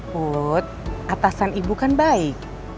put atasan ibu kan baik